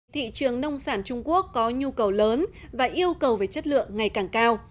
thị trường nông sản trung quốc có nhu cầu lớn và yêu cầu về chất lượng ngày càng cao